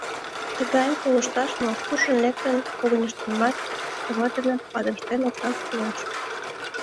Тыгайым колышташ мо, куржын лектын, когыньыштымат товар дене падыштен опташ кӱлеш.